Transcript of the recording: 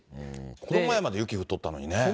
この前まで雪降っとったのにね。